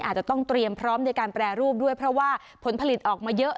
อาจจะต้องเตรียมพร้อมในการแปรรูปด้วยเพราะว่าผลผลิตออกมาเยอะ